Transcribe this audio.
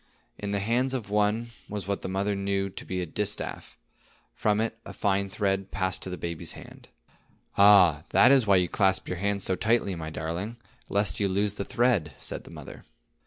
In the hands of one was what the mother knew to be a distaff; from it, a fine thread passed to the baby's hand. "Ah, that is why you clasp your hands so tightly, my darling, lest you lose the thread," said the mother.